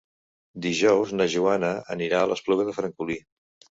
Dijous na Joana anirà a l'Espluga de Francolí.